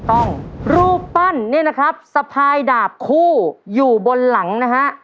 รูปปั้นเนี่ยนะครับสะพายดาบคู่อยู่บนหลังนะฮะ